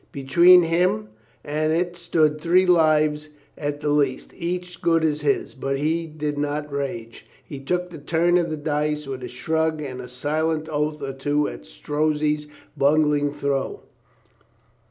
Between him and it stood three lives at the least, each as good as his. But he did not rage. He took the turn of the dice with a shrug and a silent oath or two at Strozzi's bungling throw.